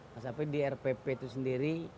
pasal apa di rpp itu sendiri